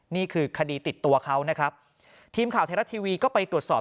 นี่คือคดีติดตัวเขานะครับทีมข่าวไทยรัฐทีวีก็ไปตรวจสอบ